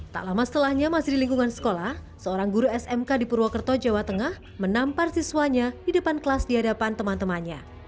tak lama setelahnya masih di lingkungan sekolah seorang guru smk di purwokerto jawa tengah menampar siswanya di depan kelas di hadapan teman temannya